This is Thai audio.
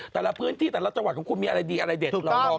แต่ละพื้นที่แต่ละจังหวัดของคุณมีอะไรดีอะไรเด็ดลอง